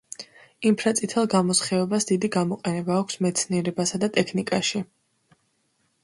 ინფრაწითელ გამოსხივებას დიდი გამოყენება აქვს მეცნიერებასა და ტექნიკაში.